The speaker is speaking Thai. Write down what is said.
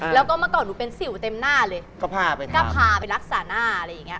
แล้วก็เมื่อก่อนหนูเป็นสิวเต็มหน้าเลยก็พาไปรักษาหน้า